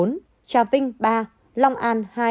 trà vinh ba long an hai